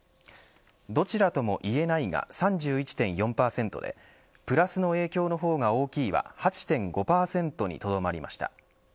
どちらともいえないが３１．４％でプラスの影響のほうが大きいは８．５％にとどまりました。